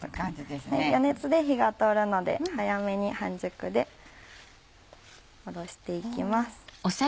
余熱で火が通るので早めに半熟でおろして行きます。